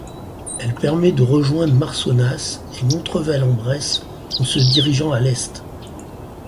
Elle permet de rejoindre Marsonnas et Montrevel-en-Bresse en se dirigeant à l'est.